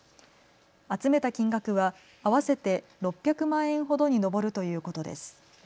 集めた金額は合わせて６００万円ほどに上るということです。